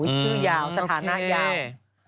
ชื่อยาวสถานะยาว